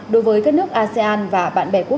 đối với các nước asean và bạn bè nước này